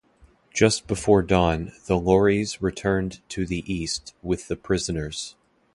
Just before dawn the lorries returned to the east with the prisoners.